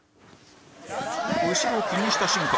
後ろを気にした瞬間